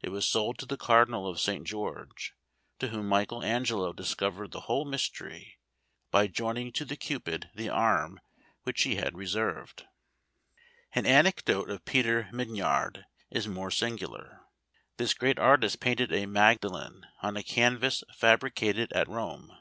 It was sold to the Cardinal of St. George, to whom Michael Angelo discovered the whole mystery, by joining to the Cupid the arm which he had reserved. An anecdote of Peter Mignard is more singular. This great artist painted a Magdalen on a canvas fabricated at Rome.